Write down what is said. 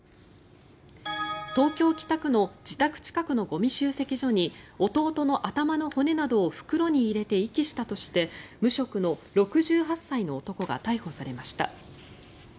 東京・北区の自宅近くのゴミ集積所に弟の頭の骨などを袋に入れて遺棄したとして無職の６８歳の男が逮捕されました。